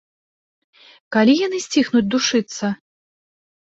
Калі яны сціхнуць душыцца?